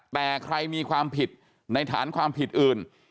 แต่ใครมีความผิดในฐานความผิดอื่น